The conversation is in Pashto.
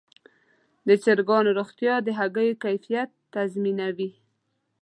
د چرګانو روغتیا د هګیو کیفیت تضمینوي.